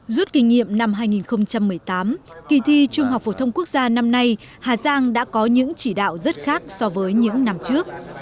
rút kinh nghiệm năm hai nghìn một mươi tám kỳ thi trung học phổ thông quốc gia năm nay hà giang đã có những chỉ đạo rất khác so với những năm trước